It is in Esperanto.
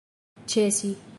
ĉesi